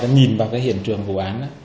nhìn vào hiện trường vụ án